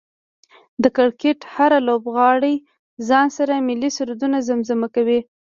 د کرکټ هر لوبغاړی ځان سره ملي سرود زمزمه کوي